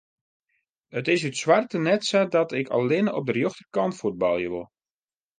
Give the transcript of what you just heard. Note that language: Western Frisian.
It is út soarte net sa dat ik allinne op de rjochterkant fuotbalje wol.